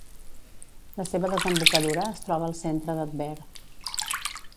La seva desembocadura es troba al centre de Tver.